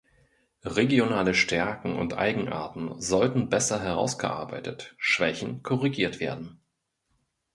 Regionale Stärken und Eigenarten sollten besser herausgearbeitet, Schwächen korrigiert werden.